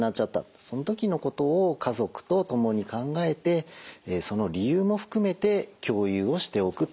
その時のことを家族と共に考えてその理由も含めて共有をしておくと。